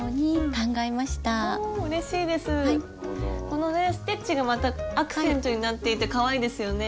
このねステッチがまたアクセントになっていてかわいいですよね。